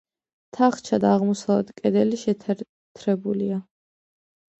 თახჩა და აღმოსავლეთ კედელი შეთეთრებულია.